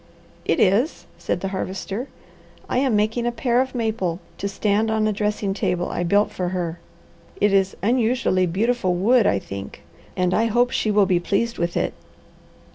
"It is," said the Harvester. "I am making a pair of maple to stand on a dressing table I built for her. It is unusually beautiful wood, I think, and I hope she will be pleased with it."